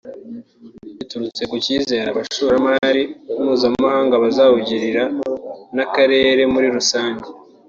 biturutse ku cyizere abashoramari mpuzamahanga bazawugirira n’akarere muri rusange